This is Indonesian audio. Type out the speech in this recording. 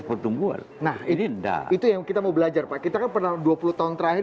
pertumbuhan nah ini enggak itu yang kita mau belajar pak kita kan pernah dua puluh tahun terakhir